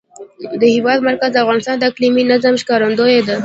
د هېواد مرکز د افغانستان د اقلیمي نظام ښکارندوی ده.